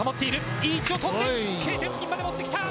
いい位置を飛んで、Ｋ点付近までもってきた。